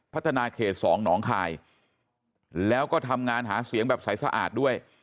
พัฒนาเขต๒หนองคายแล้วก็ทำงานหาเสียงแบบใสสะอาดด้วย